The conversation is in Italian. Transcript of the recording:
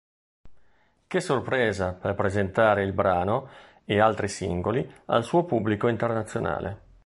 Che sorpresa" per presentare il brano e altri singoli al suo pubblico internazionale.